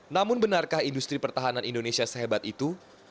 namun benarkah industri pertahanan indonesia sehebat itu